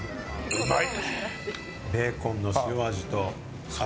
うまい！